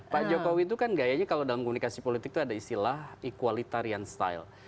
pak jokowi itu kan gayanya kalau dalam komunikasi politik itu ada istilah equalitarian style